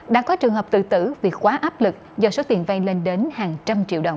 đã có trường hợp tự tử vì quá áp lực do số tiền vay lên đến hàng trăm triệu đồng